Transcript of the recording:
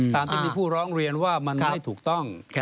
ตามที่มีผู้ร้องเรียนว่ามันไม่ถูกต้อง